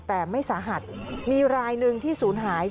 แต่ไม่สาหัสมีรายหนึ่งที่ศูนย์หาย